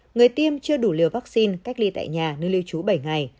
người tiêm chưa đủ liều vaccine cách ly tại nhà nơi lưu trú bảy ngày